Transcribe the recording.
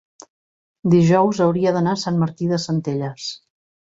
dijous hauria d'anar a Sant Martí de Centelles.